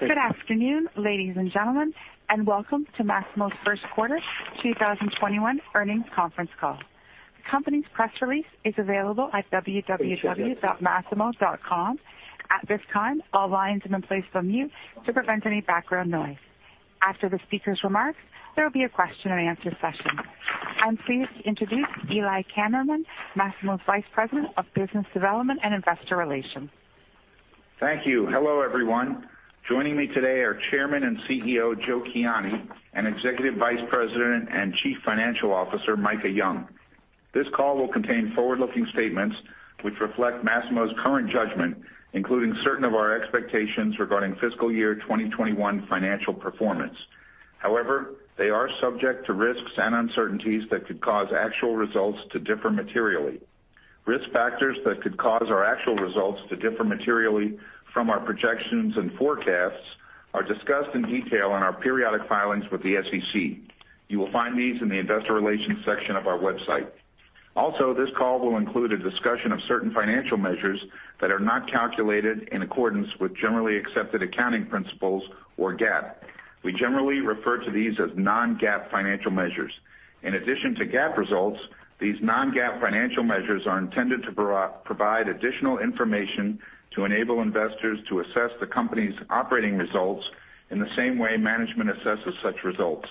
Good afternoon, ladies and gentlemen, and welcome to Masimo's first quarter 2021 earnings conference call. The company's press release is available at www.masimo.com. At this time, all lines have been placed on mute to prevent any background noise. After the speaker's remarks, there will be a question and answer session. I'm pleased to introduce Eli Kammerman, Masimo's Vice President of Business Development and Investor Relations. Thank you. Hello, everyone. Joining me today are Chairman and CEO, Joe Kiani, and Executive Vice President and Chief Financial Officer, Micah Young. This call will contain forward-looking statements which reflect Masimo's current judgment, including certain of our expectations regarding fiscal year 2021 financial performance. However, they are subject to risks and uncertainties that could cause actual results to differ materially. Risk factors that could cause our actual results to differ materially from our projections and forecasts are discussed in detail in our periodic filings with the SEC. You will find these in the investor relations section of our website. Also, this call will include a discussion of certain financial measures that are not calculated in accordance with generally accepted accounting principles or GAAP. We generally refer to these as non-GAAP financial measures. In addition to GAAP results, these non-GAAP financial measures are intended to provide additional information to enable investors to assess the company's operating results in the same way management assesses such results.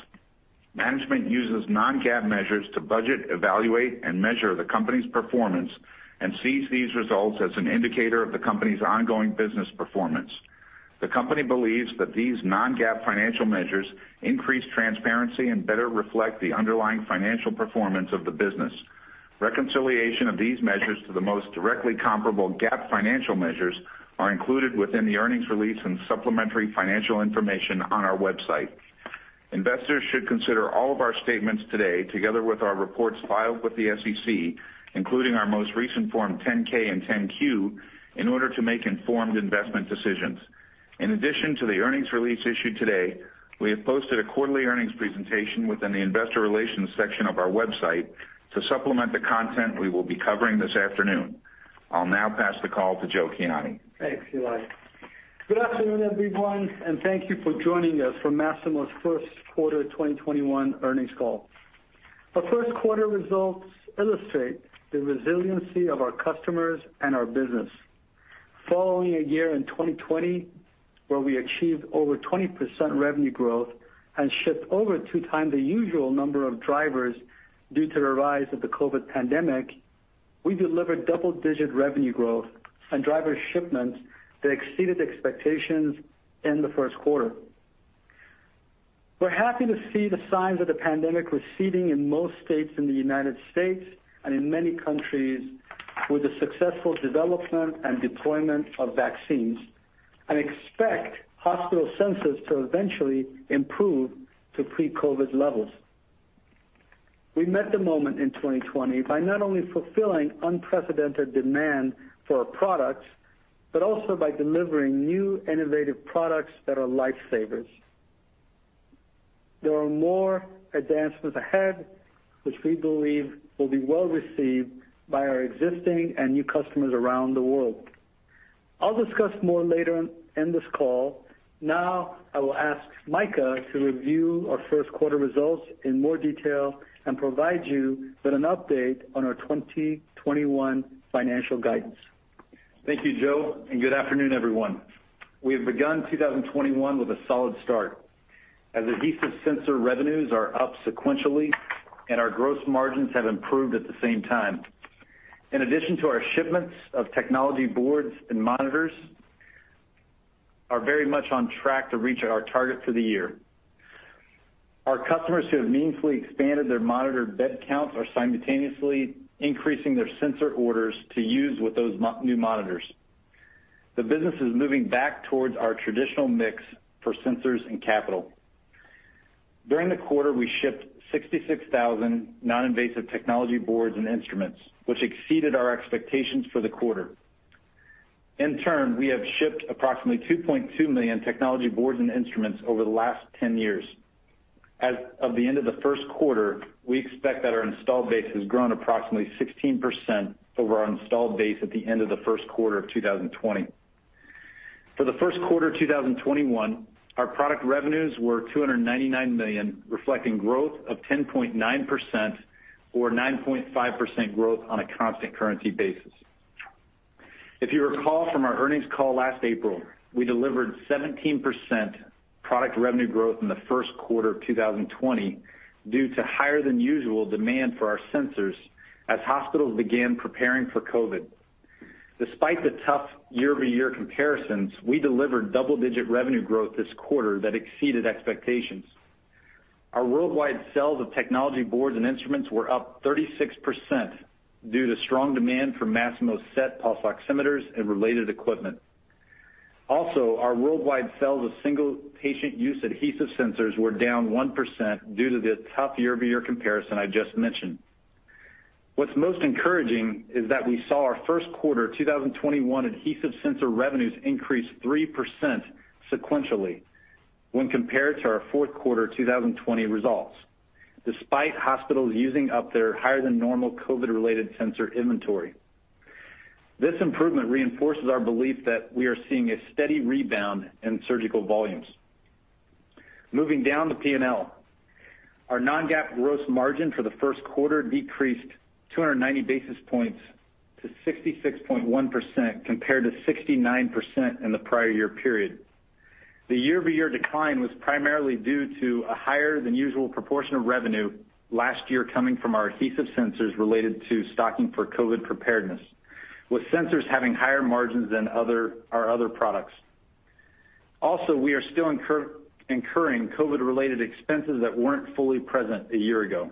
Management uses non-GAAP measures to budget, evaluate, and measure the company's performance and sees these results as an indicator of the company's ongoing business performance. The company believes that these non-GAAP financial measures increase transparency and better reflect the underlying financial performance of the business. Reconciliation of these measures to the most directly comparable GAAP financial measures are included within the earnings release and supplementary financial information on our website. Investors should consider all of our statements today, together with our reports filed with the SEC, including our most recent Form 10-K and 10-Q, in order to make informed investment decisions. In addition to the earnings release issued today, we have posted a quarterly earnings presentation within the investor relations section of our website to supplement the content we will be covering this afternoon. I'll now pass the call to Joe Kiani. Thanks, Eli Kammerman. Good afternoon, everyone, and thank you for joining us for Masimo's first quarter 2021 earnings call. Our first quarter results illustrate the resiliency of our customers and our business. Following a year in 2020, where we achieved over 20% revenue growth and shipped over 2x the usual number of sensors due to the rise of the COVID pandemic, we delivered double-digit revenue growth and sensor shipments that exceeded expectations in the first quarter. We're happy to see the signs of the pandemic receding in most states in the U.S. and in many countries with the successful development and deployment of vaccines, and expect hospital census to eventually improve to pre-COVID levels. We met the moment in 2020 by not only fulfilling unprecedented demand for our products, but also by delivering new innovative products that are lifesavers. There are more advancements ahead, which we believe will be well received by our existing and new customers around the world. I'll discuss more later in this call. I will ask Micah to review our first quarter results in more detail and provide you with an update on our 2021 financial guidance. Thank you, Joe, and good afternoon, everyone. We have begun 2021 with a solid start. Adhesive sensor revenues are up sequentially and our gross margins have improved at the same time. In addition to our shipments of technology boards and monitors are very much on track to reach our target for the year. Our customers who have meaningfully expanded their monitored bed counts are simultaneously increasing their sensor orders to use with those new monitors. The business is moving back towards our traditional mix for sensors and capital. During the quarter, we shipped 66,000 non-invasive technology boards and instruments, which exceeded our expectations for the quarter. In turn, we have shipped approximately 2.2 million technology boards and instruments over the last 10 years. As of the end of the first quarter, we expect that our installed base has grown approximately 16% over our installed base at the end of the first quarter of 2020. For the first quarter 2021, our product revenues were $299 million, reflecting growth of 10.9% or 9.5% growth on a constant currency basis. If you recall from our earnings call last April, we delivered 17% product revenue growth in the first quarter of 2020 due to higher than usual demand for our sensors as hospitals began preparing for COVID. Despite the tough YoY comparisons, we delivered double-digit revenue growth this quarter that exceeded expectations. Our worldwide sales of technology boards and instruments were up 36% due to strong demand for Masimo SET pulse oximeters and related equipment. Also, our worldwide sales of single patient use adhesive sensors were down 1% due to the tough YoY comparison I just mentioned. What's most encouraging is that we saw our first quarter 2021 adhesive sensor revenues increase 3% sequentially when compared to our fourth quarter 2020 results, despite hospitals using up their higher than normal COVID-related sensor inventory. This improvement reinforces our belief that we are seeing a steady rebound in surgical volumes. Moving down to P&L, our non-GAAP gross margin for the first quarter decreased 290 basis points to 66.1%, compared to 69% in the prior year period. The YoY decline was primarily due to a higher than usual proportion of revenue last year coming from our adhesive sensors related to stocking for COVID preparedness, with sensors having higher margins than our other products. Also, we are still incurring COVID-related expenses that weren't fully present a year ago.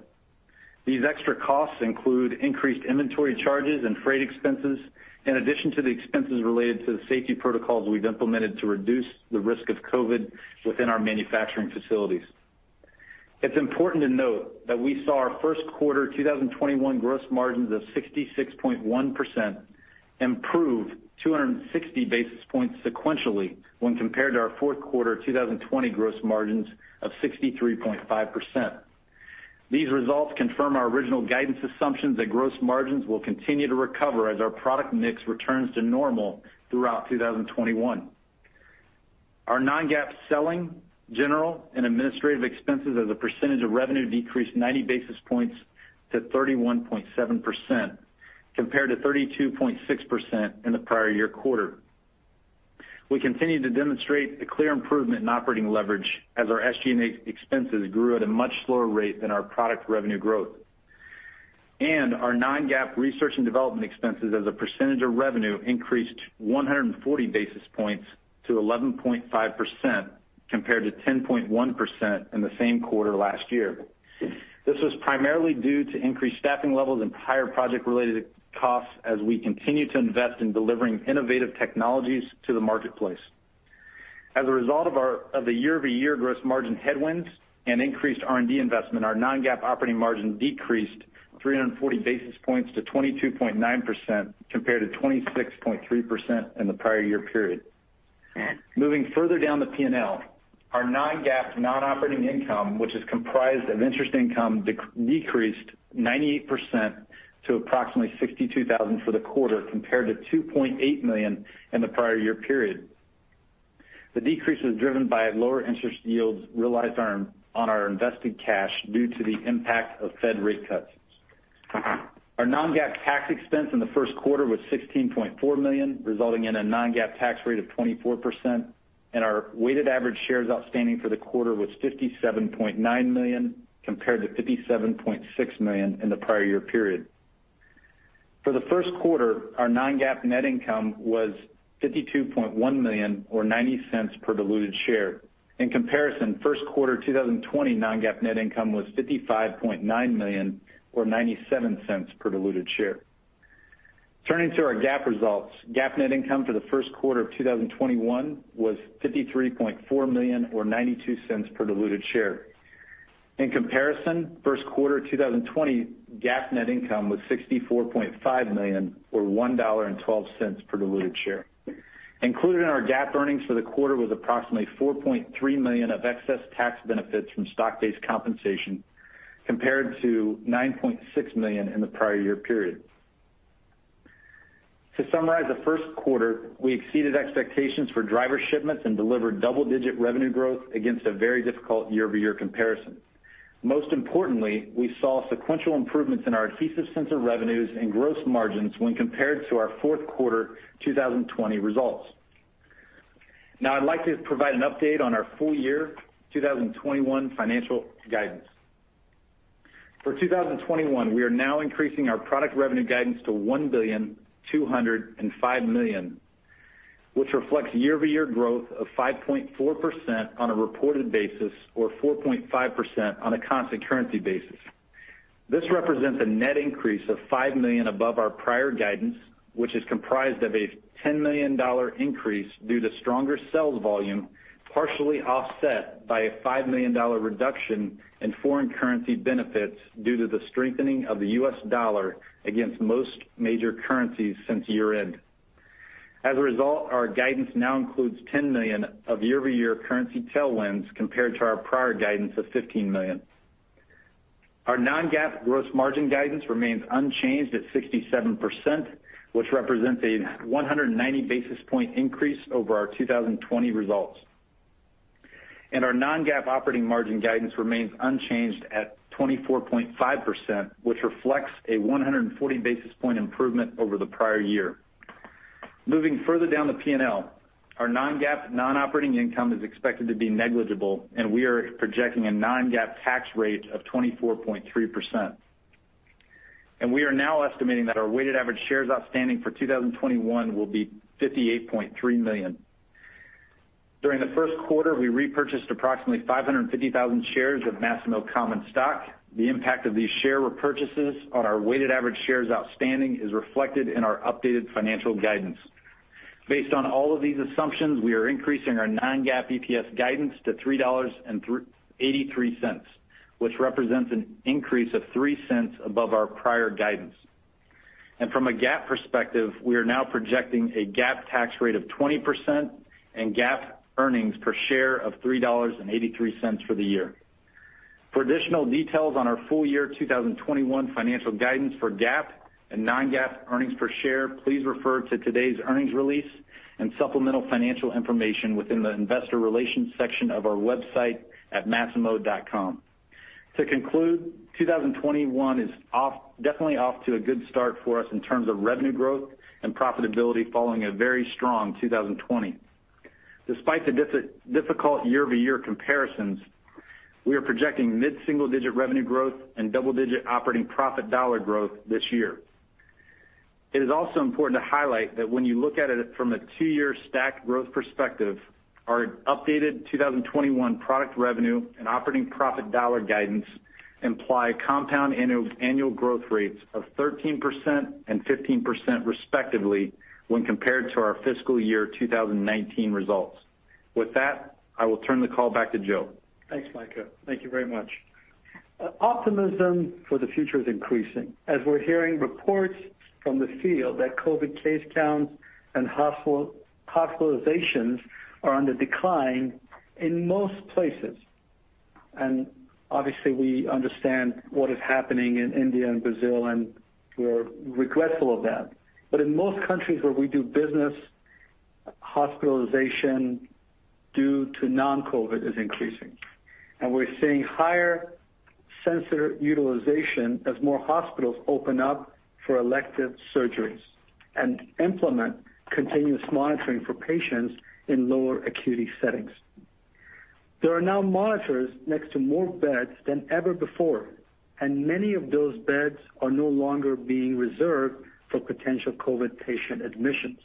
These extra costs include increased inventory charges and freight expenses, in addition to the expenses related to the safety protocols we've implemented to reduce the risk of COVID within our manufacturing facilities. It's important to note that we saw our first quarter 2021 gross margins of 66.1% improve 260 basis points sequentially when compared to our fourth quarter 2020 gross margins of 63.5%. These results confirm our original guidance assumptions that gross margins will continue to recover as our product mix returns to normal throughout 2021. Our non-GAAP selling, general, and administrative expenses as a percentage of revenue decreased 90 basis points to 31.7%, compared to 32.6% in the prior year quarter. We continue to demonstrate a clear improvement in operating leverage as our SG&A expenses grew at a much slower rate than our product revenue growth. Our non-GAAP research and development expenses as a percentage of revenue increased 140 basis points to 11.5%, compared to 10.1% in the same quarter last year. This was primarily due to increased staffing levels and higher project-related costs as we continue to invest in delivering innovative technologies to the marketplace. As a result of the YoY gross margin headwinds and increased R&D investment, our non-GAAP operating margin decreased 340 basis points to 22.9%, compared to 26.3% in the prior year period. Moving further down the P&L, our non-GAAP non-operating income, which is comprised of interest income, decreased 98% to approximately $62,000 for the quarter compared to $2.8 million in the prior year period. The decrease was driven by lower interest yields realized on our invested cash due to the impact of Fed rate cuts. Our non-GAAP tax expense in the first quarter was $16.4 million, resulting in a non-GAAP tax rate of 24%, and our weighted average shares outstanding for the quarter was 57.9 million, compared to 57.6 million in the prior year period. For the first quarter, our non-GAAP net income was $52.1 million or $0.90 per diluted share. In comparison, first quarter 2020 non-GAAP net income was $55.9 million or $0.97 per diluted share. Turning to our GAAP results, GAAP net income for the first quarter of 2021 was $53.4 million or $0.92 per diluted share. In comparison, first quarter 2020 GAAP net income was $64.5 million or $1.12 per diluted share. Included in our GAAP earnings for the quarter was approximately $4.3 million of excess tax benefits from stock-based compensation, compared to $9.6 million in the prior year period. To summarize the first quarter, we exceeded expectations for sensor shipments and delivered double-digit revenue growth against a very difficult YoY comparison. Most importantly, we saw sequential improvements in our adhesive sensor revenues and gross margins when compared to our fourth quarter 2020 results. Now I'd like to provide an update on our full year 2021 financial guidance. For 2021, we are now increasing our product revenue guidance to $1,205 million, which reflects YoY growth of 5.4% on a reported basis or 4.5% on a constant currency basis. This represents a net increase of $5 million above our prior guidance, which is comprised of a $10 million increase due to stronger sales volume, partially offset by a $5 million reduction in foreign currency benefits due to the strengthening of the U.S. dollar against most major currencies since year-end. As a result, our guidance now includes $10 million of YoY currency tailwinds compared to our prior guidance of $15 million. Our non-GAAP gross margin guidance remains unchanged at 67%, which represents a 190 basis point increase over our 2020 results. Our non-GAAP operating margin guidance remains unchanged at 24.5%, which reflects a 140 basis point improvement over the prior year. Moving further down the P&L, our non-GAAP non-operating income is expected to be negligible, and we are projecting a non-GAAP tax rate of 24.3%. We are now estimating that our weighted average shares outstanding for 2021 will be 58.3 million. During the first quarter, we repurchased approximately 550,000 shares of Masimo common stock. The impact of these share repurchases on our weighted average shares outstanding is reflected in our updated financial guidance. Based on all of these assumptions, we are increasing our non-GAAP EPS guidance to $3.83, which represents an increase of $0.03 above our prior guidance. From a GAAP perspective, we are now projecting a GAAP tax rate of 20% and GAAP earnings per share of $3.83 for the year. For additional details on our full year 2021 financial guidance for GAAP and non-GAAP earnings per share, please refer to today's earnings release and supplemental financial information within the investor relations section of our website at masimo.com. To conclude, 2021 is definitely off to a good start for us in terms of revenue growth and profitability following a very strong 2020. Despite the difficult YoY comparisons, we are projecting mid-single-digit revenue growth and double-digit operating profit dollar growth this year. It is also important to highlight that when you look at it from a two-year stacked growth perspective, our updated 2021 product revenue and operating profit dollar guidance imply compound annual growth rates of 13% and 15% respectively when compared to our fiscal year 2019 results. With that, I will turn the call back to Joe. Thanks, Micah. Thank you very much. Optimism for the future is increasing as we're hearing reports from the field that COVID case counts and hospitalizations are on the decline in most places. Obviously, we understand what is happening in India and Brazil, and we're regretful of that. In most countries where we do business, hospitalization due to non-COVID is increasing, and we're seeing higher sensor utilization as more hospitals open up for elective surgeries and implement continuous monitoring for patients in lower acuity settings. There are now monitors next to more beds than ever before, and many of those beds are no longer being reserved for potential COVID patient admissions.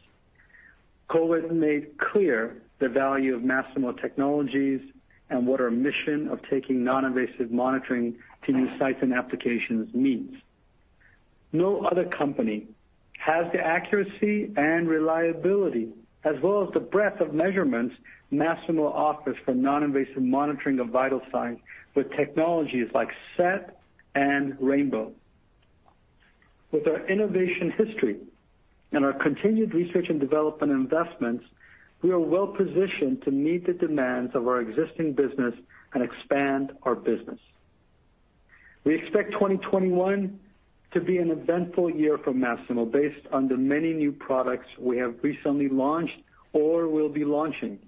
COVID made clear the value of Masimo technologies and what our mission of taking non-invasive monitoring to new sites and applications means. No other company has the accuracy and reliability, as well as the breadth of measurements Masimo offers for non-invasive monitoring of vital signs with technologies like SET and Rainbow. With our innovation history and our continued research and development investments, we are well positioned to meet the demands of our existing business and expand our business. We expect 2021 to be an eventful year for Masimo based on the many new products we have recently launched or will be launching,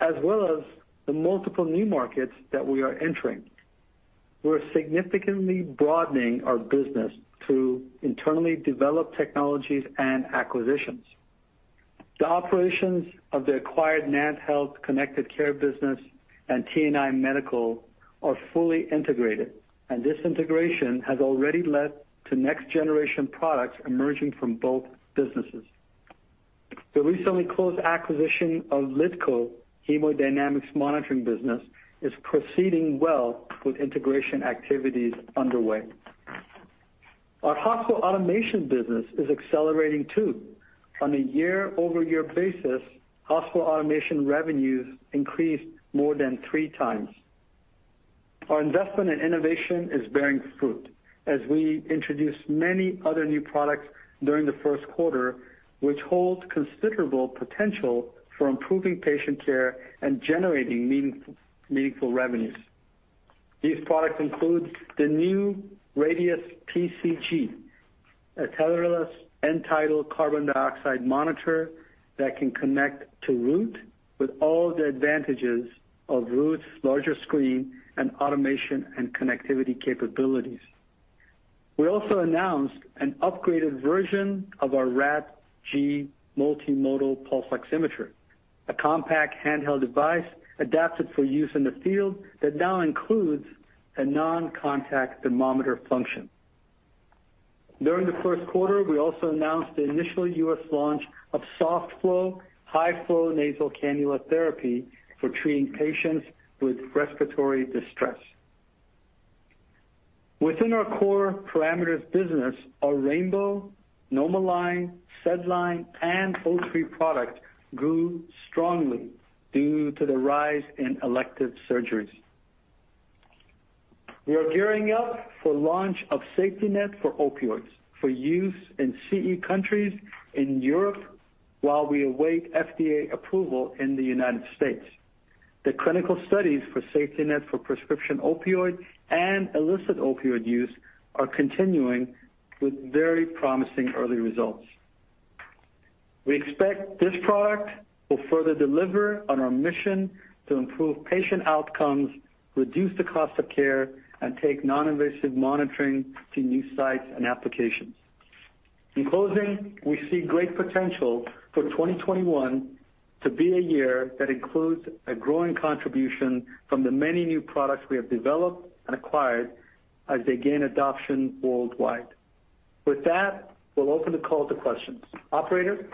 as well as the multiple new markets that we are entering. We're significantly broadening our business through internally developed technologies and acquisitions. The operations of the acquired NantHealth Connected Care business and TNI Medical are fully integrated, and this integration has already led to next-generation products emerging from both businesses. The recently closed acquisition of LiDCO hemodynamics monitoring business is proceeding well with integration activities underway. Our hospital automation business is accelerating, too. On a YoY basis, hospital automation revenues increased more than 3x. Our investment in innovation is bearing fruit as we introduce many other new products during the first quarter, which hold considerable potential for improving patient care and generating meaningful revenues. These products include the new Radius PCG, a tetherless end-tidal carbon dioxide monitor that can connect to Root with all the advantages of Root's larger screen and automation and connectivity capabilities. We also announced an upgraded version of our Rad-G multimodal pulse oximetry, a compact handheld device adapted for use in the field that now includes a non-contact thermometer function. During the first quarter, we also announced the initial U.S. launch of softFlow high-flow nasal cannula therapy for treating patients with respiratory distress. Within our core parameters business, our Rainbow, NomoLine, SedLine, and O3 products grew strongly due to the rise in elective surgeries. We are gearing up for launch of SafetyNet Opioid for use in CE countries in Europe while we await FDA approval in the U.S. The clinical studies for SafetyNet Opioid for prescription opioid and illicit opioid use are continuing with very promising early results. We expect this product will further deliver on our mission to improve patient outcomes, reduce the cost of care, and take non-invasive monitoring to new sites and applications. In closing, we see great potential for 2021 to be a year that includes a growing contribution from the many new products we have developed and acquired as they gain adoption worldwide. With that, we'll open the call to questions. Operator?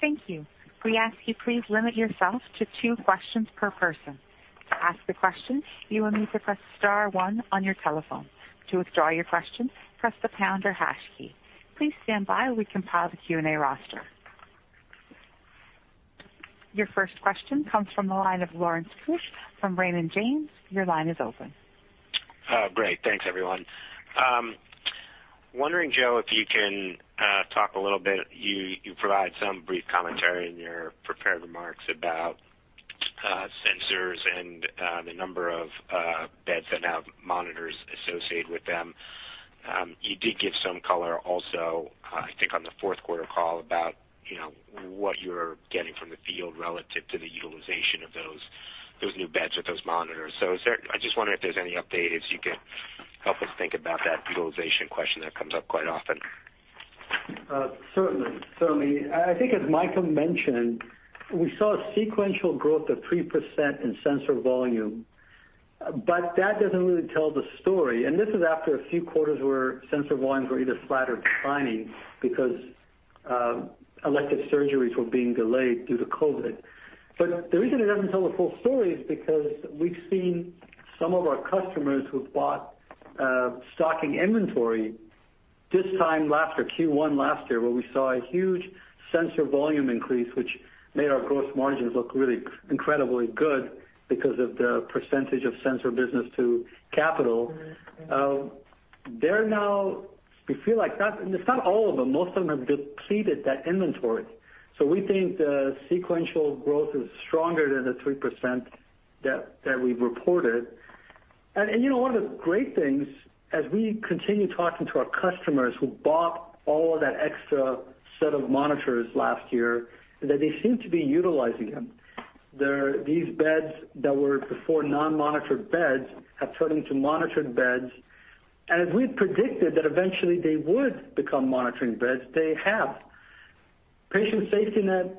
Thank you. We ask you please limit yourself to two questions per person. To ask a question, you will need to press star one on your telephone. To withdraw your question, press the pound or hash key. Please stand by while we compile the Q&A roster. Your first question comes from the line of Lawrence Keusch from Raymond James. Your line is open. Great. Thanks, everyone. Wondering, Joe, if you can talk a little bit, you provide some brief commentary in your prepared remarks about sensors and the number of beds that have monitors associated with them. You did give some color also, I think, on the fourth quarter call about what you're getting from the field relative to the utilization of those new beds with those monitors. I just wonder if there's any update, if you could help us think about that utilization question that comes up quite often. Certainly. I think as Micah mentioned, we saw a sequential growth of 3% in sensor volume, that doesn't really tell the story. This is after a few quarters where sensor volumes were either flat or declining because elective surgeries were being delayed due to COVID. The reason it doesn't tell the full story is because we've seen some of our customers who've bought stocking inventory this time last year, Q1 last year, where we saw a huge sensor volume increase, which made our gross margins look really incredibly good because of the percentage of sensor business to capital. We feel like, and it's not all of them, most of them have depleted that inventory. We think the sequential growth is stronger than the 3% that we've reported. One of the great things as we continue talking to our customers who bought all of that extra set of monitors last year, is that they seem to be utilizing them. These beds that were before non-monitored beds have turned into monitored beds. As we'd predicted that eventually they would become monitored beds, they have. Patient SafetyNet,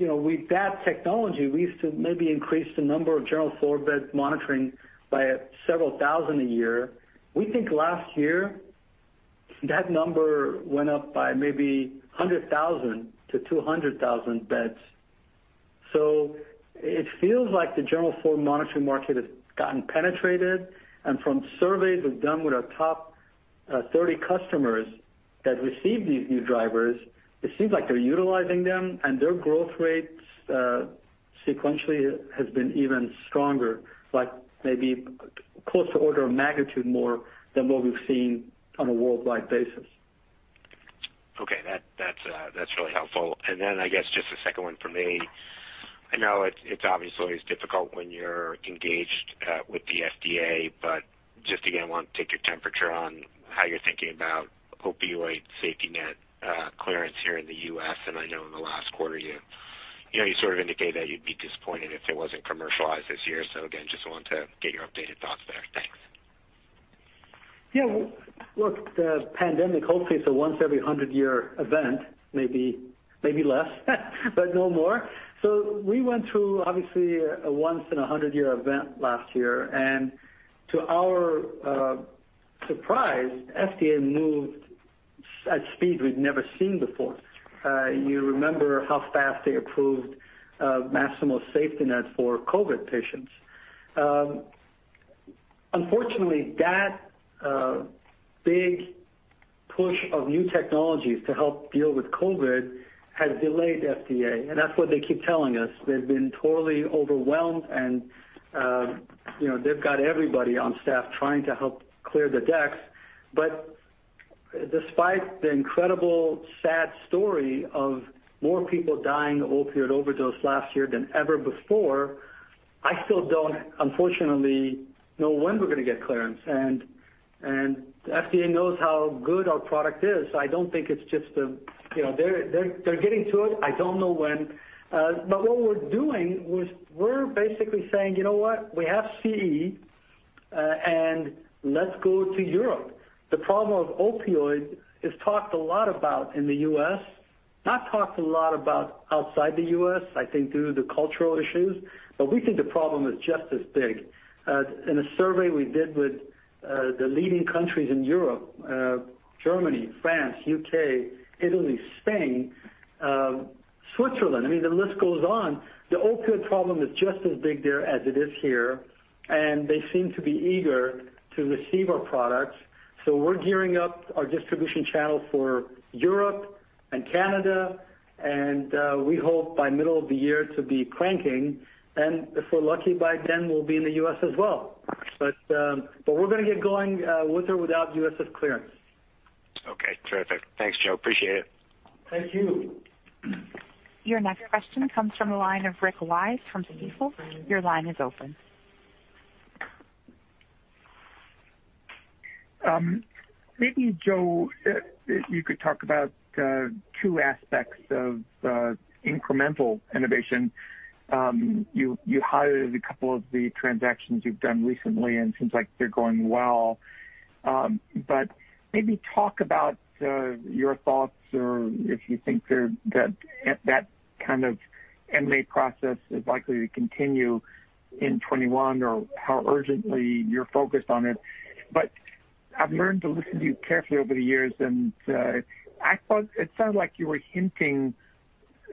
with that technology, we used to maybe increase the number of general floor bed monitoring by several thousand a year. We think last year that number went up by maybe 100,000-200,000 beds. It feels like the general floor monitoring market has gotten penetrated, and from surveys we've done with our top 30 customers that received these new sensors, it seems like they're utilizing them and their growth rates sequentially has been even stronger, like maybe close to order of magnitude more than what we've seen on a worldwide basis. Okay. That's really helpful. I guess just a second one from me. I know it's obviously always difficult when you're engaged with the FDA, just again, want to take your temperature on how you're thinking about SafetyNet Opioid clearance here in the U.S., and I know in the last quarter you sort of indicated that you'd be disappointed if it wasn't commercialized this year. Again, just wanted to get your updated thoughts there. Thanks. Well, look, the pandemic hopefully is a once every 100-year event, maybe less, but no more. We went through, obviously, a once in 100-year event last year, and to our surprise, FDA moved at speed we've never seen before. You remember how fast they approved Masimo SafetyNet for COVID patients. Unfortunately, that big push of new technologies to help deal with COVID has delayed FDA, and that's what they keep telling us. They've been totally overwhelmed and they've got everybody on staff trying to help clear the decks. Despite the incredible sad story of more people dying of opioid overdose last year than ever before, I still don't, unfortunately, know when we're going to get clearance. The FDA knows how good our product is, so I don't think it's just them. They're getting to it. I don't know when. What we're doing is we're basically saying, "You know what? We have CE, and let's go to Europe." The problem of opioids is talked a lot about in the U.S., not talked a lot about outside the U.S., I think due to the cultural issues, but we think the problem is just as big. In a survey we did with the leading countries in Europe, Germany, France, U.K., Italy, Spain, Switzerland, I mean, the list goes on. The opioid problem is just as big there as it is here, and they seem to be eager to receive our products. We're gearing up our distribution channel for Europe and Canada, and we hope by middle of the year to be cranking. If we're lucky, by then we'll be in the U.S. as well. We're going to get going with or without U.S.'s clearance. Okay, terrific. Thanks, Joe. Appreciate it. Thank you. Your next question comes from the line of Rick Wise from Stifel. Your line is open. Maybe, Joe, if you could talk about two aspects of incremental innovation. You highlighted a couple of the transactions you've done recently, and it seems like they're going well. Maybe talk about your thoughts or if you think that kind of M&A process is likely to continue in 2021, or how urgently you're focused on it. I've learned to listen to you carefully over the years, and I thought it sounded like you were hinting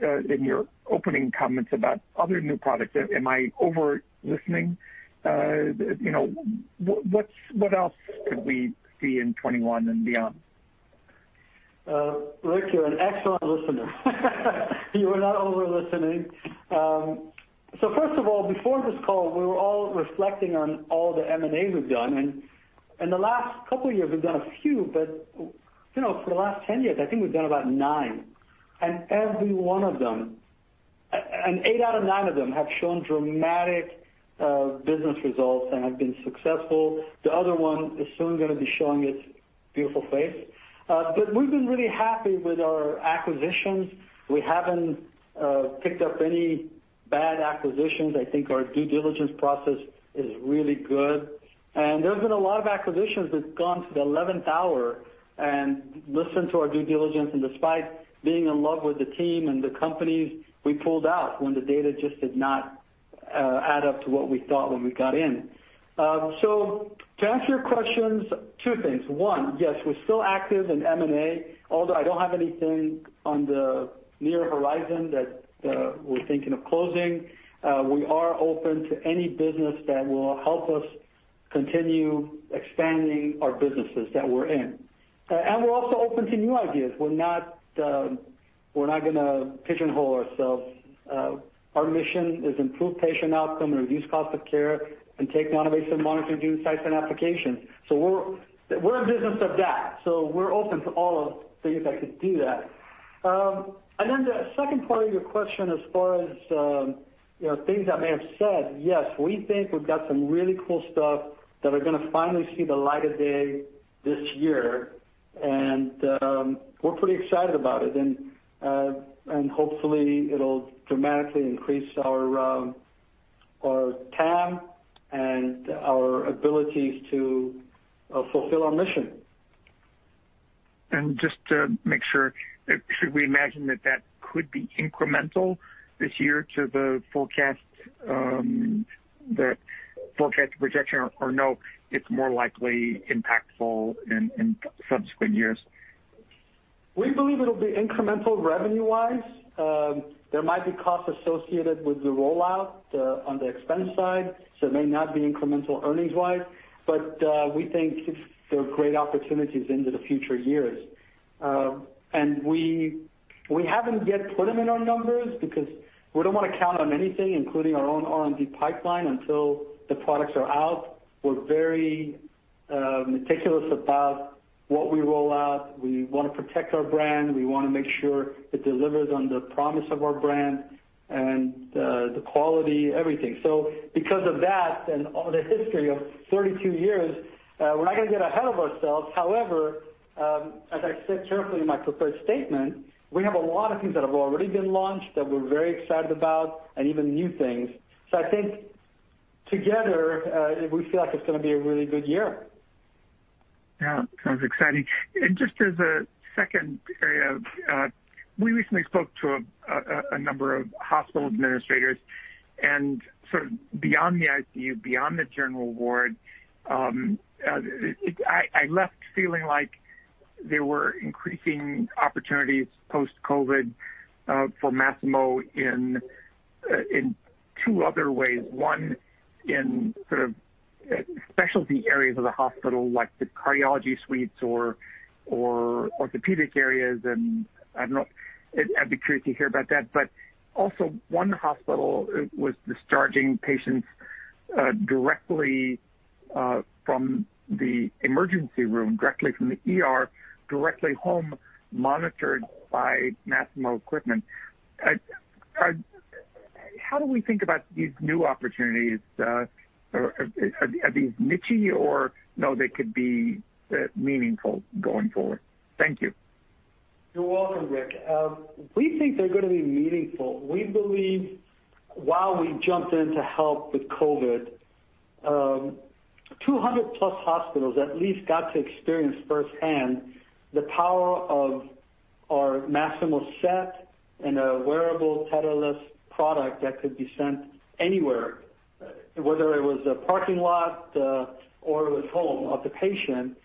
in your opening comments about other new products. Am I over-listening? What else could we see in 2021 and beyond? Rick, you're an excellent listener. You are not over listening. First of all, before this call, we were all reflecting on all the M&A we've done. In the last couple of years, we've done a few, but for the last 10 years, I think we've done about nine. Every one of them, and eight out of nine of them have shown dramatic business results and have been successful. The other one is soon going to be showing its beautiful face. We've been really happy with our acquisitions. We haven't picked up any bad acquisitions. I think our due diligence process is really good. There's been a lot of acquisitions that have gone to the 11th hour and listened to our due diligence, and despite being in love with the team and the companies, we pulled out when the data just did not add up to what we thought when we got in. To answer your questions, two things. One, yes, we're still active in M&A, although I don't have anything on the near horizon that we're thinking of closing. We are open to any business that will help us continue expanding our businesses that we're in. We're also open to new ideas. We're not going to pigeonhole ourselves. Our mission is improve patient outcome, reduce cost of care, and take non-invasive monitoring to new sites and applications. We're in business of that. We're open to all things that could do that. Then the second part of your question, as far as things I may have said, yes, we think we've got some really cool stuff that are going to finally see the light of day this year, and we're pretty excited about it. Hopefully, it'll dramatically increase our TAM and our abilities to fulfill our mission. Just to make sure, should we imagine that that could be incremental this year to the forecast projection, or no, it's more likely impactful in subsequent years? We believe it'll be incremental revenue-wise. There might be costs associated with the rollout on the expense side, so it may not be incremental earnings-wise. We think there are great opportunities into the future years. We haven't yet put them in our numbers because we don't want to count on anything, including our own R&D pipeline, until the products are out. We're very meticulous about what we roll out. We want to protect our brand. We want to make sure it delivers on the promise of our brand and the quality, everything. Because of that and the history of 32 years, we're not going to get ahead of ourselves. However, as I said carefully in my prepared statement, we have a lot of things that have already been launched that we're very excited about and even new things. I think together, we feel like it's going to be a really good year. Yeah. Sounds exciting. Just as a second area, we recently spoke to a number of hospital administrators and sort of beyond the ICU, beyond the general ward, I left feeling like there were increasing opportunities post-COVID for Masimo in two other ways. One, in sort of specialty areas of the hospital, like the cardiology suites or orthopedic areas, and I don't know, I'd be curious to hear about that. Also, one hospital was discharging patients directly from the emergency room, directly from the ER, directly home, monitored by Masimo equipment. How do we think about these new opportunities? Are these niche-y or no, they could be meaningful going forward? Thank you. You're welcome, Rick. We think they're going to be meaningful. We believe while we jumped in to help with COVID, 200+ hospitals at least got to experience firsthand the power of our Masimo SET and a wearable, tetherless product that could be sent anywhere, whether it was a parking lot or it was home of the patient.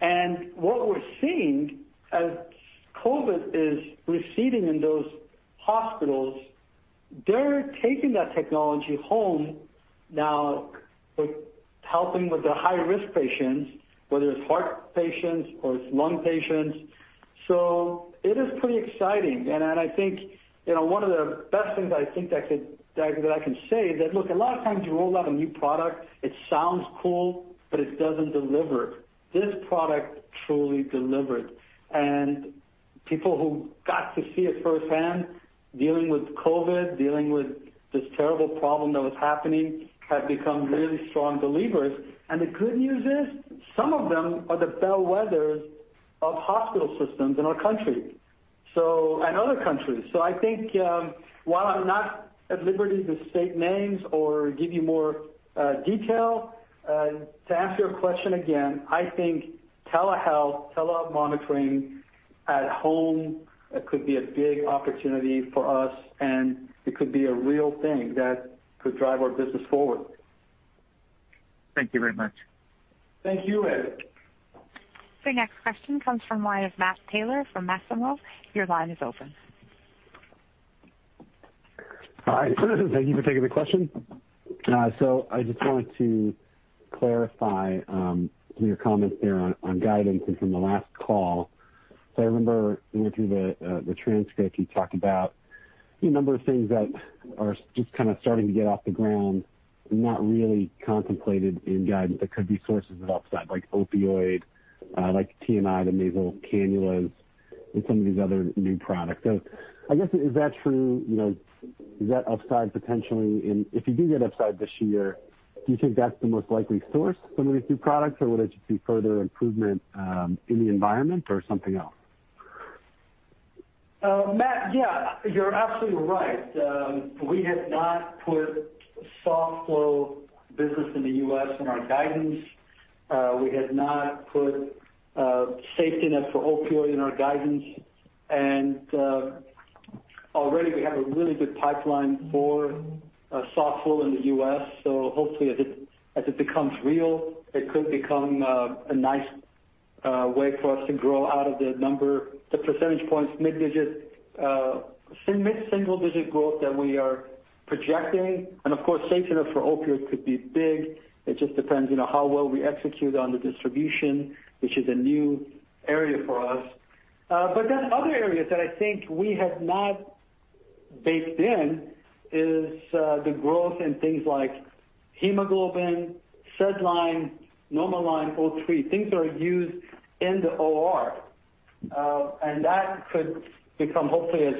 What we're seeing as COVID is receding in those hospitals, they're taking that technology home now with helping with the high-risk patients, whether it's heart patients or it's lung patients. It is pretty exciting. I think one of the best things I think that I can say is that, look, a lot of times you roll out a new product, it sounds cool, but it doesn't deliver. This product truly delivered. People who got to see it firsthand, dealing with COVID, dealing with this terrible problem that was happening, have become really strong believers. The good news is some of them are the bellwethers of hospital systems in our country and other countries. I think while I'm not at liberty to state names or give you more detail, to answer your question again, I think telehealth monitoring at home could be a big opportunity for us, and it could be a real thing that could drive our business forward. Thank you very much. Thank you, Rick. The next question comes from the line of Matt Taylor from UBS. Your line is open. All right. Thank you for taking the question. I just wanted to clarify your comments there on guidance and from the last call. I remember looking through the transcript, you talked about a number of things that are just kind of starting to get off the ground and not really contemplated in guidance that could be sources of upside, like opioid, like TNI, the nasal cannulas, and some of these other new products. I guess, is that true? Is that upside potentially? If you do get upside this year, do you think that's the most likely source from these new products, or would it just be further improvement in the environment or something else? Matt, yeah, you're absolutely right. We had not put softFlow business in the U.S. in our guidance. We had not put SafetyNet Opioid in our guidance. Already we have a really good pipeline for softFlow in the U.S. Hopefully as it becomes real, it could become a nice way for us to grow out of the number, the percentage points, mid-single-digit growth that we are projecting. Of course, SafetyNet Opioid could be big. It just depends how well we execute on the distribution, which is a new area for us. Other areas that I think we have not baked in is the growth in things like hemoglobin, SedLine, NomoLine O3, things that are used in the OR. That could become, hopefully, as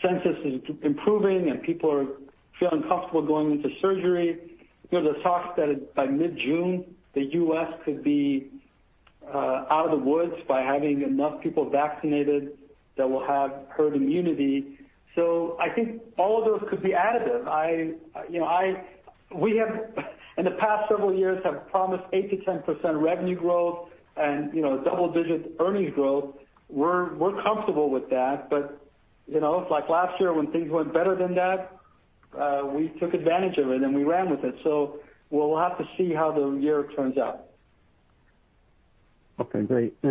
census is improving and people are feeling comfortable going into surgery. There's a talk that by mid-June, the U.S. could be out of the woods by having enough people vaccinated that we'll have herd immunity. I think all of those could be additive. In the past several years, have promised 8%-10% revenue growth and double-digit earnings growth. We're comfortable with that, but it's like last year when things went better than that, we took advantage of it and we ran with it. We'll have to see how the year turns out. Okay, great. I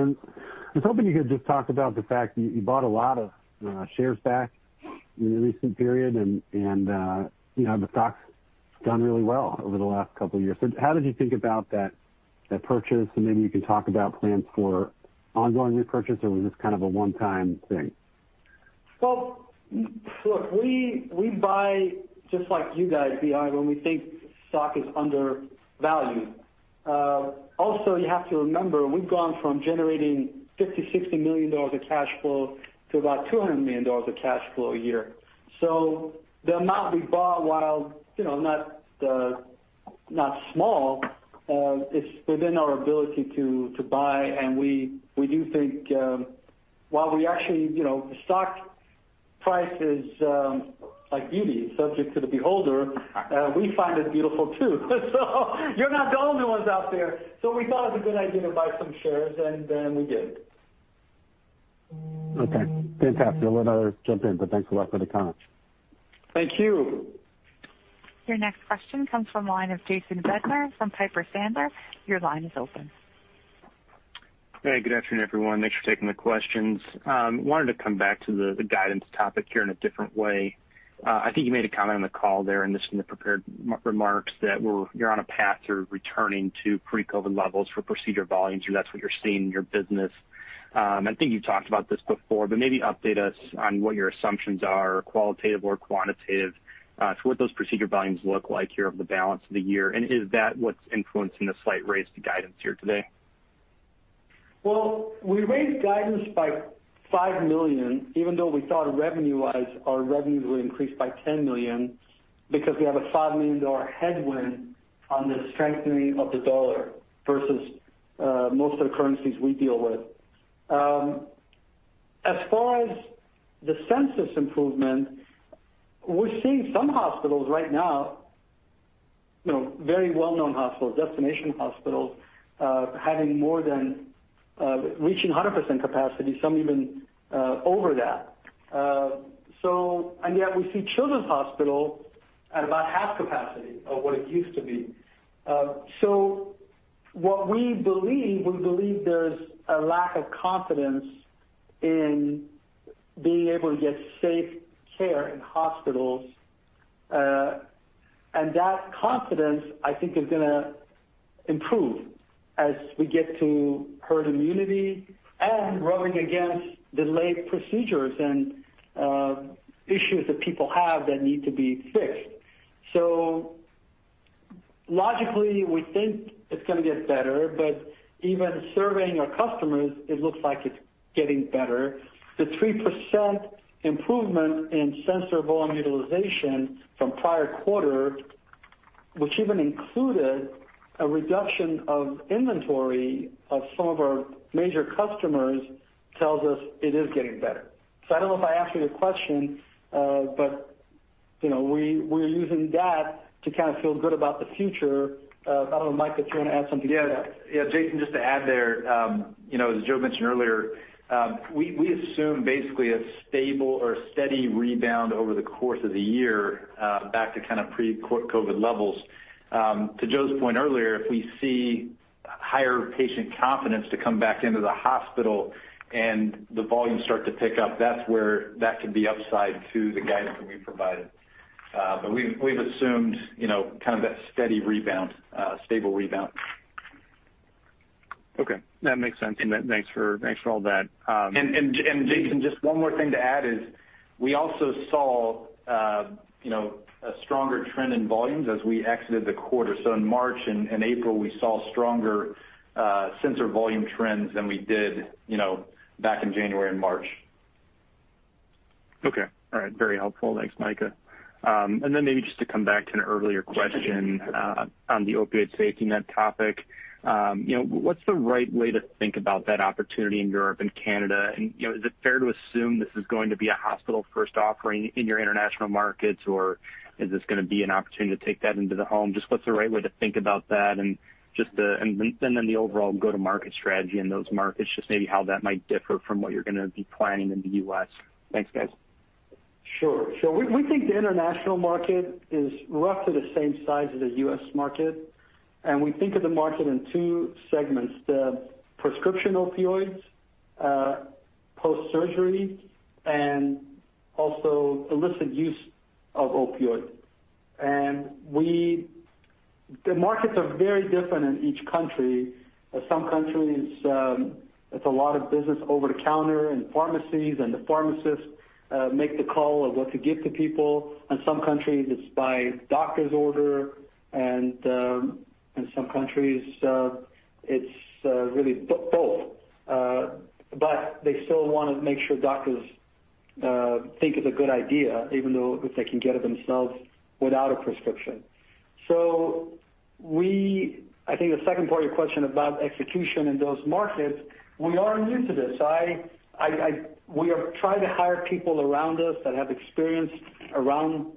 was hoping you could just talk about the fact that you bought a lot of shares back in the recent period and the stock's done really well over the last couple of years. How did you think about that purchase? Maybe you can talk about plans for ongoing repurchase, or was this kind of a one-time thing? Well, look, we buy just like you guys, buy, when we think stock is undervalued. You have to remember, we've gone from generating $50 million, $60 million of cash flow to about $200 million of cash flow a year. The amount we bought, while not small, it's within our ability to buy, and we do think the stock price is like beauty, it's subject to the beholder. We find it beautiful too. You're not the only ones out there. We thought it was a good idea to buy some shares, and we did. Okay. Fantastic. I'll let others jump in, but thanks a lot for the comments. Thank you. Your next question comes from the line of Jason Bednar from Piper Sandler. Your line is open. Hey, good afternoon, everyone. Thanks for taking the questions. Wanted to come back to the guidance topic here in a different way. I think you made a comment on the call there and just in the prepared remarks that you're on a path to returning to pre-COVID levels for procedure volumes, or that's what you're seeing in your business. I think you've talked about this before, but maybe update us on what your assumptions are, qualitative or quantitative, to what those procedure volumes look like here over the balance of the year. Is that what's influencing the slight raise to guidance here today? We raised guidance by $5 million, even though we thought revenue-wise, our revenue will increase by $10 million because we have a $5 million headwind on the strengthening of the dollar versus most of the currencies we deal with. As far as the census improvement, we're seeing some hospitals right now, very well-known hospitals, destination hospitals, reaching 100% capacity, some even over that. Yet we see children's hospital at about half capacity of what it used to be. What we believe, we believe there's a lack of confidence in being able to get safe care in hospitals. That confidence, I think, is going to improve as we get to herd immunity and rubbing against delayed procedures and issues that people have that need to be fixed. Logically, we think it's going to get better, but even surveying our customers, it looks like it's getting better. The 3% improvement in sensor volume utilization from prior quarter, which even included a reduction of inventory of some of our major customers, tells us it is getting better. I don't know if I answered your question, but we're using that to kind of feel good about the future. I don't know, Micah, if you want to add something to that. Yeah. Jason, just to add there, as Joe mentioned earlier, we assume basically a stable or steady rebound over the course of the year back to kind of pre-COVID levels. To Joe's point earlier, if we see higher patient confidence to come back into the hospital and the volume start to pick up, that's where that could be upside to the guidance that we provided. We've assumed kind of that steady rebound, stable rebound. Okay. That makes sense. Thanks for all that. Jason, just one more thing to add is, we also saw a stronger trend in volumes as we exited the quarter. In March and April, we saw stronger sensor volume trends than we did back in January and March. Okay. All right. Very helpful. Thanks, Micah. Maybe just to come back to an earlier question on the Opioid SafetyNet topic. What's the right way to think about that opportunity in Europe and Canada? Is it fair to assume this is going to be a hospital-first offering in your international markets, or is this going to be an opportunity to take that into the home? Just what's the right way to think about that, and then the overall go-to-market strategy in those markets, just maybe how that might differ from what you're going to be planning in the U.S. Thanks, guys. Sure. We think the international market is roughly the same size as the US market, and we think of the market in two segments, the prescription opioids, post-surgery, and also illicit use of opioids. The markets are very different in each country. In some countries, it's a lot of business over-the-counter and pharmacies, and the pharmacists make the call of what to give to people. In some countries, it's by doctor's order, and in some countries, it's really both. They still want to make sure doctors think it's a good idea, even though if they can get it themselves without a prescription. I think the second part of your question about execution in those markets, we are new to this. We are trying to hire people around us that have experience around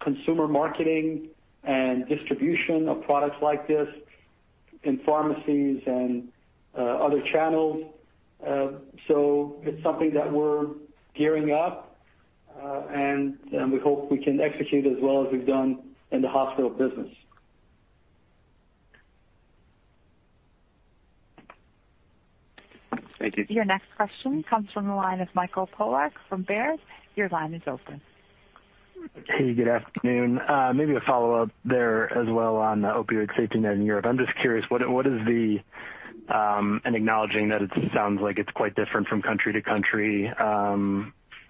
consumer marketing and distribution of products like this in pharmacies and other channels. It's something that we're gearing up, and we hope we can execute as well as we've done in the hospital business. Thank you. Your next question comes from the line of Michael Polark from Baird. Your line is open. Hey, good afternoon. Maybe a follow-up there as well on SafetyNet Opioid in Europe. I'm just curious, what is the, and acknowledging that it sounds like it's quite different from country to country,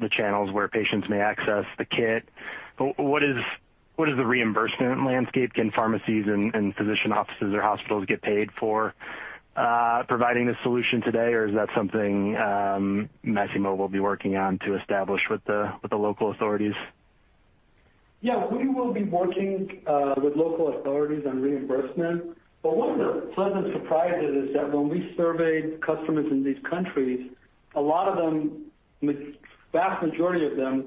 the channels where patients may access the kit. What is the reimbursement landscape? Can pharmacies and physician offices or hospitals get paid for providing this solution today, or is that something Masimo will be working on to establish with the local authorities? Yeah, we will be working with local authorities on reimbursement. One of the pleasant surprises is that when we surveyed customers in these countries, a lot of them, the vast majority of them,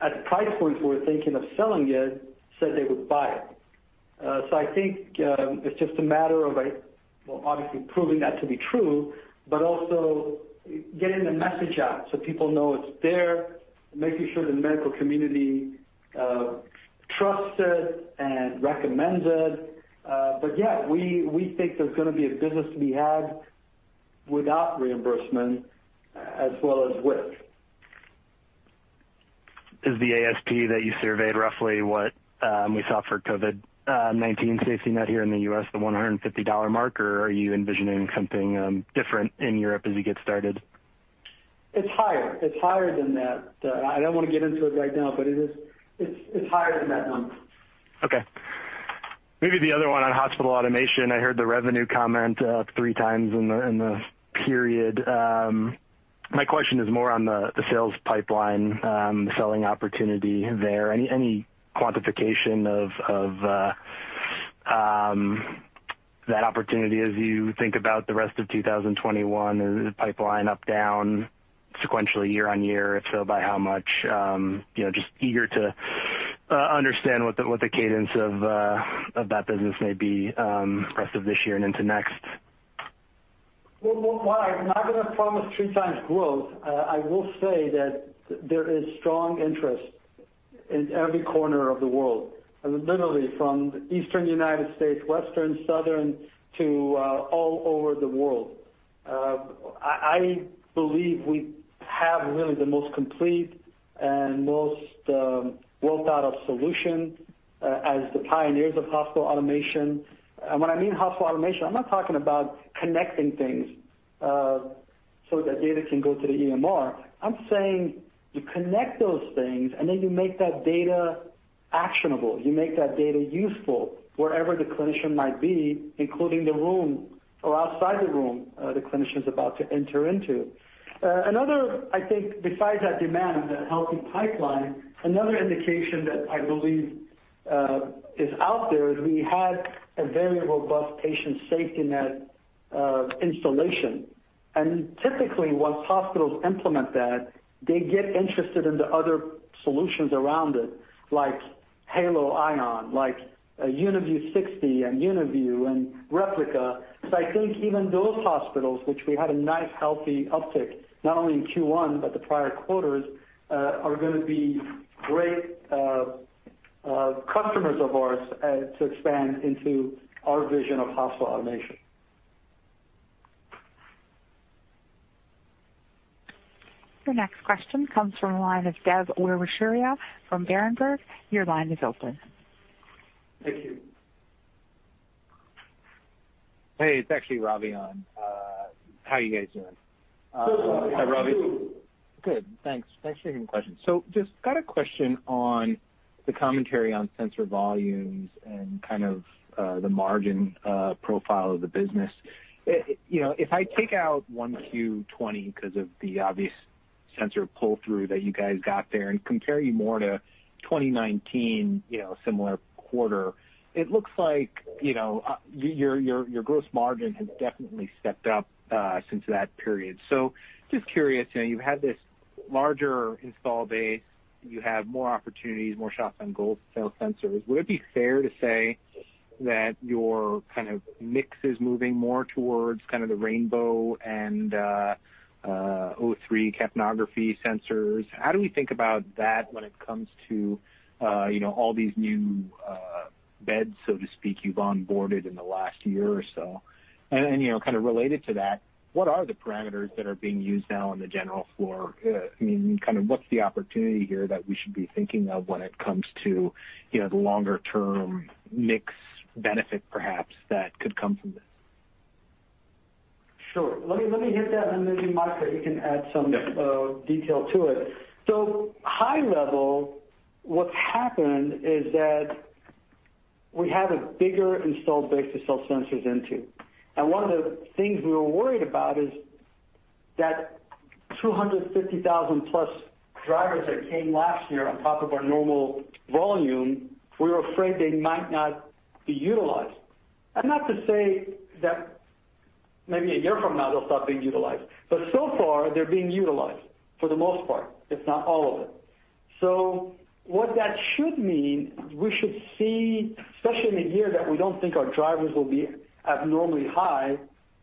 at the price point we're thinking of selling it, said they would buy it. I think it's just a matter of, well, obviously proving that to be true, but also getting the message out so people know it's there, making sure the medical community trusts it and recommends it. Yeah, we think there's going to be a business to be had without reimbursement as well as with. Is the ASP that you surveyed roughly what we saw for COVID-19 SafetyNet here in the U.S., the $150 mark, or are you envisioning something different in Europe as you get started? It's higher. It's higher than that. I don't want to get into it right now. It's higher than that one. Okay. Maybe the other one on hospital automation. I heard the revenue comment 3x in the period. My question is more on the sales pipeline, the selling opportunity there. Any quantification of that opportunity as you think about the rest of 2021? Is the pipeline up, down sequentially, year-on-year? If so, by how much? Just eager to understand what the cadence of that business may be rest of this year and into next. While I'm not going to promise 3x growth, I will say that there is strong interest in every corner of the world, literally from the Eastern U.S., Western, Southern, to all over the world. I believe we have really the most complete and most well-thought-out solution as the pioneers of hospital automation. When I mean hospital automation, I'm not talking about connecting things so that data can go to the EMR. I'm saying you connect those things, you make that data actionable. You make that data useful wherever the clinician might be, including the room or outside the room the clinician's about to enter into. I think besides that demand and that healthy pipeline, another indication that I believe is out there is we had a very robust Patient SafetyNet installation. Typically, once hospitals implement that, they get interested in the other solutions around it, like Halo ION, like UniView: 60 and UniView and Replica. I think even those hospitals, which we had a nice, healthy uptick, not only in Q1 but the prior quarters, are going to be great customers of ours to expand into our vision of hospital automation. The next question comes from the line of Ravi Misra from Berenberg. Your line is open. Thank you. Hey, it's actually Ravi on. How are you guys doing? Hi, Ravi. Good, thanks. Thanks for taking the question. Just got a question on the commentary on sensor volumes and kind of the margin profile of the business. If I take out Q1 2020 because of the obvious sensor pull-through that you guys got there and compare you more to 2019, similar quarter, it looks like your gross margin has definitely stepped up since that period. Just curious, you've had this larger install base, you have more opportunities, more shots on goal, sale sensors. Would it be fair to say that your kind of mix is moving more towards kind of the Rainbow and O3 capnography sensors? How do we think about that when it comes to all these new beds, so to speak, you've onboarded in the last year or so? Kind of related to that, what are the parameters that are being used now on the general floor? What's the opportunity here that we should be thinking of when it comes to the longer-term mix benefit, perhaps, that could come from this? Sure. Let me hit that, and maybe Micah, you can add some detail to it. High level, what's happened is that we have a bigger installed base to sell sensors into. One of the things we were worried about is that 250,000+ sensors that came last year on top of our normal volume, we were afraid they might not be utilized. Not to say that maybe a year from now they'll stop being utilized, but so far they're being utilized for the most part, if not all of it. What that should mean, we should see, especially in a year that we don't think our sensors will be abnormally high,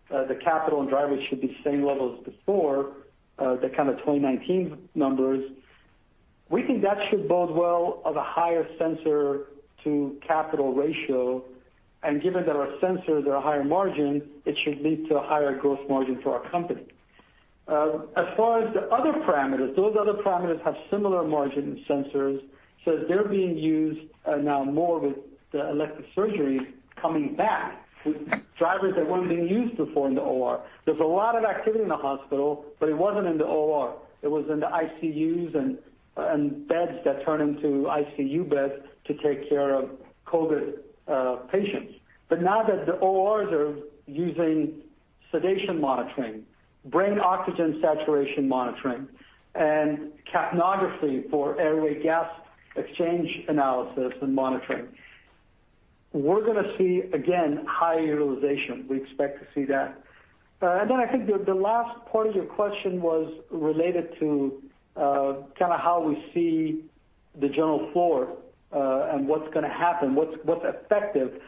the capital and sensors should be same level as before, the kind of 2019 numbers. We think that should bode well of a higher sensor-to-capital ratio. Given that our sensors are higher margin, it should lead to a higher gross margin for our company. As far as the other parameters, those other parameters have similar margin sensors, so they're being used now more with the elective surgeries coming back with sensors that weren't being used before in the OR. There's a lot of activity in the hospital, but it wasn't in the OR. It was in the ICUs and beds that turn into ICU beds to take care of COVID patients. Now that the ORs are using sedation monitoring, brain oxygen saturation monitoring, and capnography for airway gas exchange analysis and monitoring, we're going to see, again, high utilization. We expect to see that. I think the last part of your question was related to kind of how we see the general floor and what's going to happen, what's effective.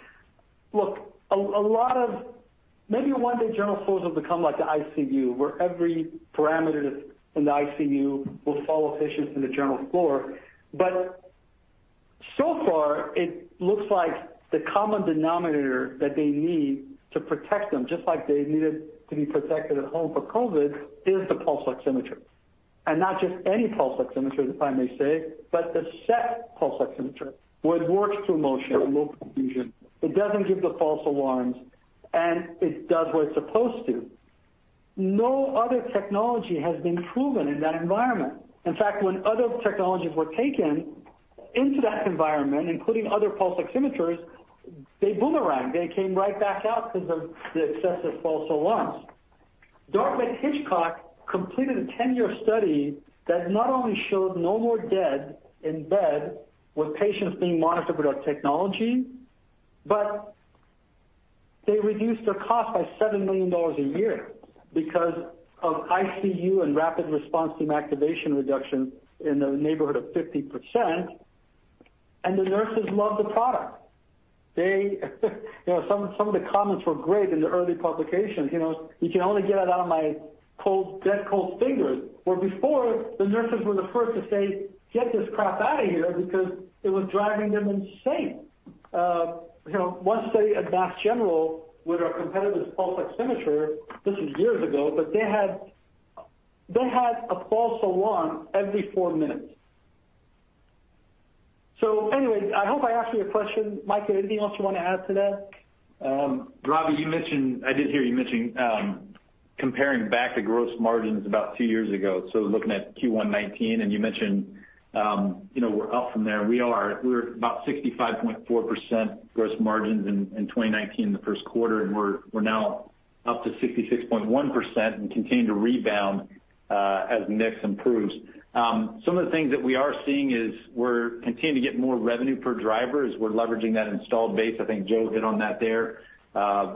Maybe one day general floors will become like the ICU, where every parameter that's in the ICU will follow patients in the general floor. So far, it looks like the common denominator that they need to protect them, just like they needed to be protected at home for COVID, is the pulse oximeter. Not just any pulse oximeter, if I may say, but the SET pulse oximeter, where it works through motion and low perfusion. It doesn't give the false alarms, and it does what it's supposed to. No other technology has been proven in that environment. In fact, when other technologies were taken into that environment, including other pulse oximeters, they boomeranged. They came right back out because of the excessive false alarms. Dartmouth-Hitchcock completed a 10-year study that not only showed no more dead in bed with patients being monitored with our technology, but they reduced their cost by $7 million a year because of ICU and rapid response team activation reduction in the neighborhood of 50%, and the nurses love the product. Some of the comments were great in the early publications. "You can only get it out of my dead, cold fingers." Where before, the nurses were the first to say, "Get this crap out of here," because it was driving them insane. One study at Mass General with our competitor's pulse oximeter, this was years ago, but they had a false alarm every four minutes. Anyway, I hope I answered your question. Micah, anything else you want to add to that? Ravi, I did hear you mentioning comparing back the gross margins about two years ago, so looking at Q1 2019, you mentioned we're up from there. We are. We were about 65.4% gross margins in 2019 in the first quarter, and we're now up to 66.1% and continue to rebound as mix improves. Some of the things that we are seeing is we're continuing to get more revenue per sensor as we're leveraging that installed base. I think Joe hit on that there.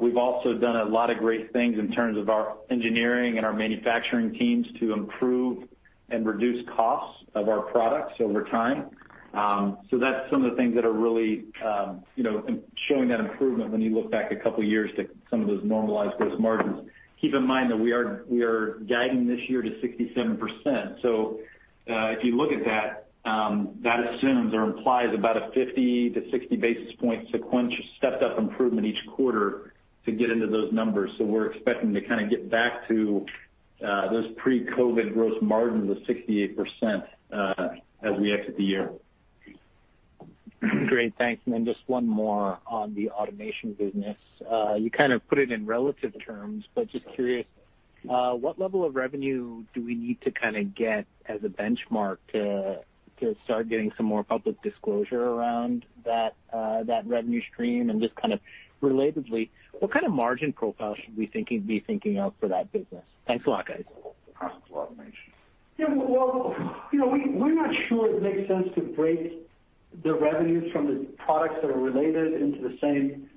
We've also done a lot of great things in terms of our engineering and our manufacturing teams to improve and reduce costs of our products over time. That's some of the things that are really showing that improvement when you look back a couple of years to some of those normalized gross margins. Keep in mind that we are guiding this year to 67%. If you look at that assumes or implies about a 50 basis points-60 basis points sequential stepped-up improvement each quarter to get into those numbers. We're expecting to kind of get back to those pre-COVID gross margins of 68% as we exit the year. Great. Thanks. Then just one more on the automation business. You kind of put it in relative terms, but just curious, what level of revenue do we need to kind of get as a benchmark to start getting some more public disclosure around that revenue stream? Just kind of relatedly, what kind of margin profile should we be thinking of for that business? Thanks a lot, guys. Hospital automation. Well, we're not sure it makes sense to break the revenues from the products that are related into the same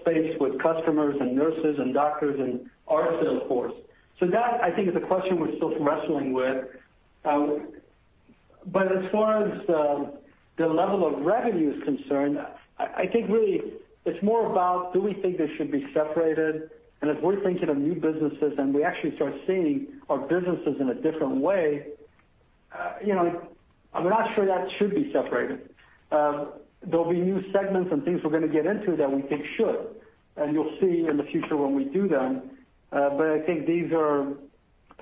space with customers and nurses and doctors and our sales force. That, I think, is a question we're still wrestling with. As far as the level of revenue is concerned, I think really it's more about do we think they should be separated? As we're thinking of new businesses and we actually start seeing our businesses in a different way, I'm not sure that should be separated. There'll be new segments and things we're going to get into that we think should, and you'll see in the future when we do them. I think these are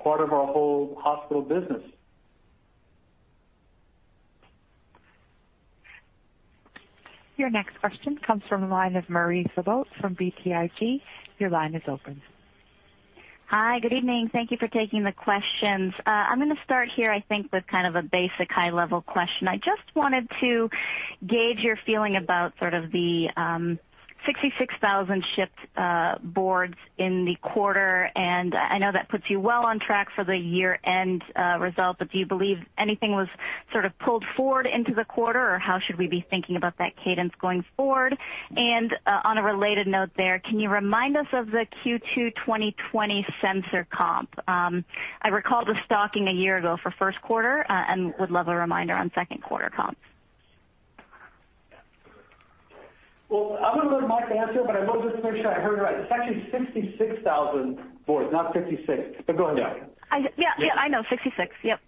part of our whole hospital business. Your next question comes from the line of Marie Thibault from BTIG. Your line is open. Hi. Good evening. Thank you for taking the questions. I'm going to start here, I think with kind of a basic high-level question. I just wanted to gauge your feeling about sort of the 66,000 shipped boards in the quarter. I know that puts you well on track for the year-end result, but do you believe anything was sort of pulled forward into the quarter? How should we be thinking about that cadence going forward? On a related note there, can you remind us of the Q2 2020 sensor comp? I recall the stocking a year ago for first quarter and would love a reminder on second quarter comps. Well, I'm going to let Micah answer, but I want to just make sure I heard it right. It's actually 66,000 boards, not 56. Go ahead, Micah. Yeah, I know. 66. Yep.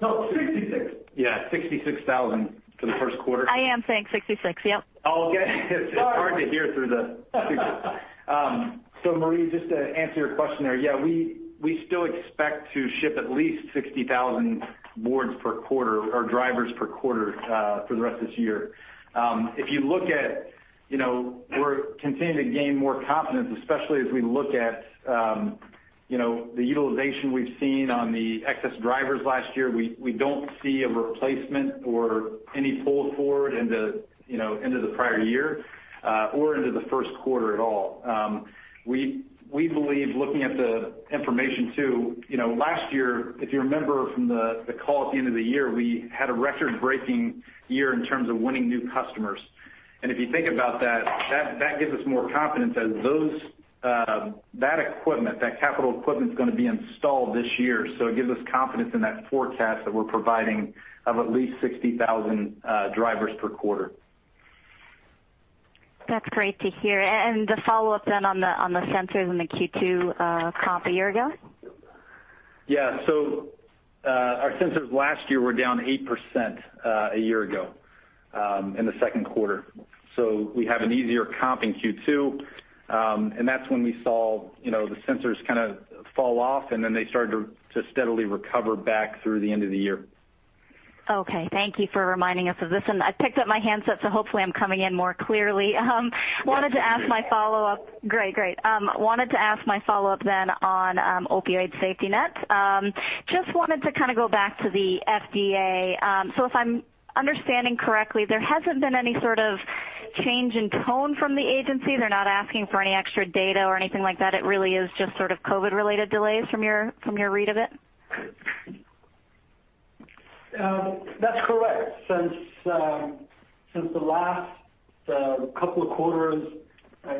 No, 66. Yeah, 66,000 for the first quarter. I am saying 66. Yep. Oh, okay. It's hard to hear through the speaker. Marie Thibault, just to answer your question there, yeah, we still expect to ship at least 60,000 boards per quarter for the rest of this year. We're continuing to gain more confidence, especially as we look at the utilization we've seen on the excess sensors last year. We don't see a replacement or any pull forward into the prior year or into the first quarter at all. We believe, looking at the information too, last year, if you remember from the call at the end of the year, we had a record-breaking year in terms of winning new customers. If you think about that gives us more confidence as that equipment, that capital equipment, is going to be installed this year. It gives us confidence in that forecast that we're providing of at least 60,000 drivers per quarter. That's great to hear. The follow-up then on the sensors and the Q2 comp a year ago. Yeah. Our sensors last year were down 8% a year ago, in the second quarter. We have an easier comp in Q2. That's when we saw the sensors kind of fall off, and then they started to steadily recover back through the end of the year. Okay. Thank you for reminding us of this. I picked up my handset, so hopefully, I'm coming in more clearly. That's great. Great. Wanted to ask my follow-up on SafetyNet Opioid. Wanted to kind of go back to the FDA. If I'm understanding correctly, there hasn't been any sort of change in tone from the agency. They're not asking for any extra data or anything like that. It really is just sort of COVID-related delays from your read of it? That's correct. Since the last couple of quarters,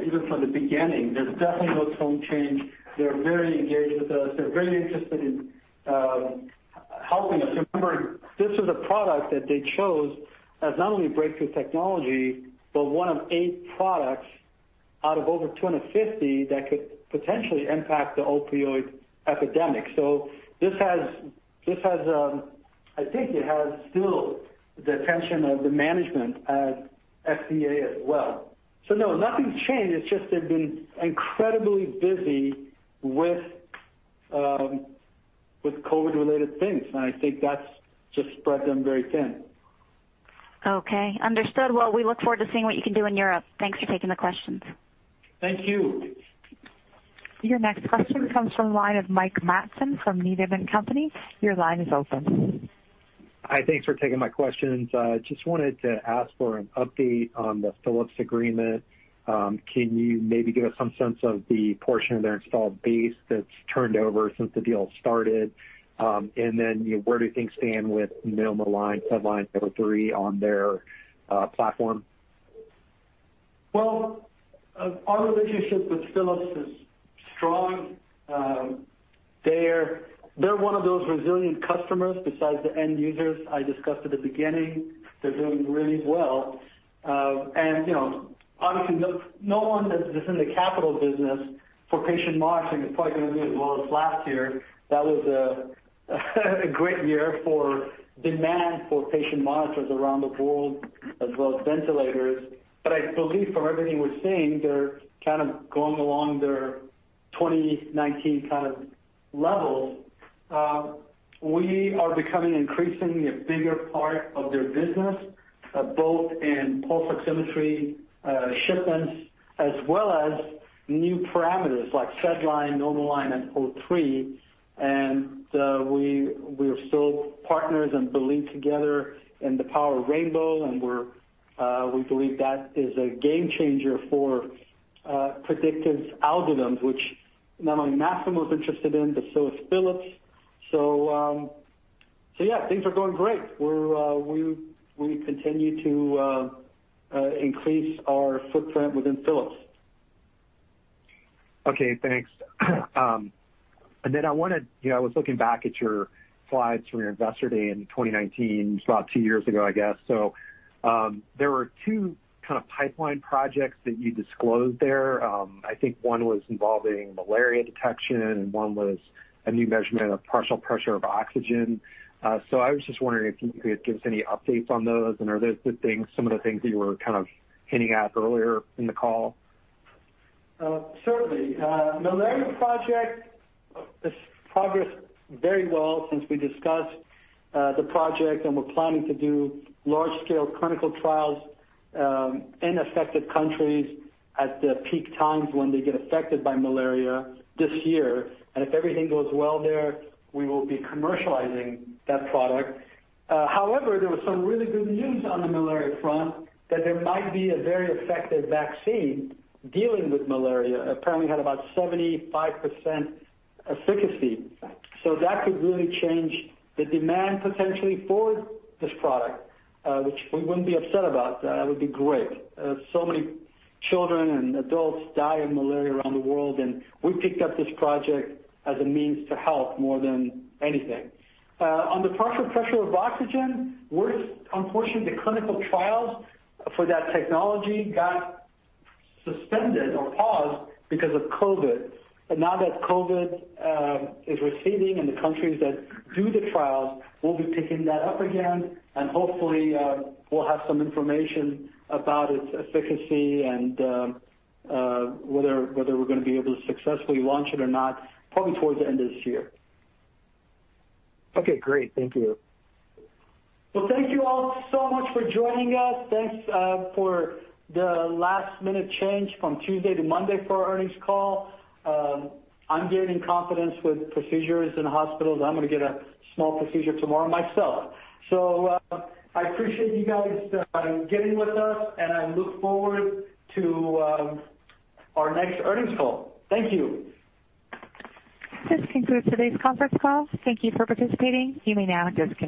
even from the beginning, there's definitely no tone change. They're very engaged with us. They're very interested in helping us. Remember, this is a product that they chose as not only breakthrough technology, but one of eight products out of over 250 that could potentially impact the opioid epidemic. I think it has still the attention of the management at FDA as well. No, nothing's changed. It's just they've been incredibly busy with COVID-related things. I think that's just spread them very thin. Okay, understood. Well, we look forward to seeing what you can do in Europe. Thanks for taking the questions. Thank you. Your next question comes from the line of Mike Matson from Needham & Company. Your line is open. Hi, thanks for taking my questions. Just wanted to ask for an update on the Philips agreement. Can you maybe give us some sense of the portion of their installed base that's turned over since the deal started? Then where do things stand with NomoLine, SedLine, O3 on their platform? Well, our relationship with Philips is strong. They're one of those resilient customers besides the end users I discussed at the beginning. They're doing really well. Obviously, no one that's in the capital business for patient monitoring is probably going to do as well as last year. That was a great year for demand for patient monitors around the world as well as ventilators. I believe from everything we're seeing, they're kind of going along their 2019 kind of levels. We are becoming increasingly a bigger part of their business, both in pulse oximetry shipments as well as new parameters like SedLine, NomoLine, and O3. We're still partners and believe together in the power of Rainbow. We believe that is a game changer for predictive algorithms, which not only Masimo is interested in, but so is Philips. Yeah, things are going great. We continue to increase our footprint within Philips. Okay, thanks. I was looking back at your slides from your Investor Day in 2019, so about two years ago, I guess. There were two kind of pipeline projects that you disclosed there. I think one was involving malaria detection and one was a new measurement of partial pressure of oxygen. I was just wondering if you could give us any updates on those, and are those some of the things that you were kind of hinting at earlier in the call? Certainly. Malaria project has progressed very well since we discussed the project. We're planning to do large-scale clinical trials in affected countries at the peak times when they get affected by malaria this year. If everything goes well there, we will be commercializing that product. However, there was some really good news on the malaria front that there might be a very effective vaccine dealing with malaria. Apparently had about 75% efficacy. Right. That could really change the demand potentially for this product, which we wouldn't be upset about. That would be great. So many children and adults die of malaria around the world, and we picked up this project as a means to help more than anything. On the partial pressure of oxygen, unfortunately, the clinical trials for that technology got suspended or paused because of COVID. Now that COVID is receding in the countries that do the trials, we'll be picking that up again and hopefully we'll have some information about its efficacy and whether we're going to be able to successfully launch it or not, probably towards the end of this year. Okay, great. Thank you. Well, thank you all so much for joining us. Thanks for the last-minute change from Tuesday to Monday for our earnings call. I'm gaining confidence with procedures in hospitals. I'm going to get a small procedure tomorrow myself. I appreciate you guys getting with us, and I look forward to our next earnings call. Thank you. This concludes today's conference call. Thank you for participating. You may now disconnect.